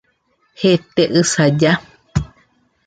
Hete ysaja.